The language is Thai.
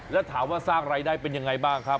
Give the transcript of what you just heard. แล้วถามว่าสร้างรายได้เป็นยังไงบ้างครับ